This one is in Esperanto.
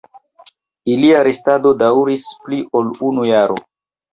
Ilia restado daŭris pli ol unu jaro.